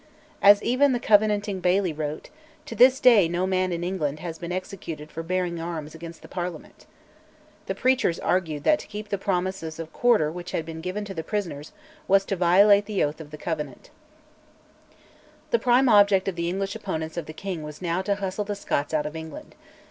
As even the Covenanting Baillie wrote, "to this day no man in England has been executed for bearing arms against the Parliament." The preachers argued that to keep the promises of quarter which had been given to the prisoners was "to violate the oath of the Covenant." {186b} The prime object of the English opponents of the king was now "to hustle the Scots out of England."